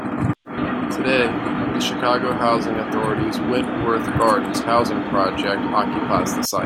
Today, the Chicago Housing Authority's Wentworth Gardens housing project occupies the site.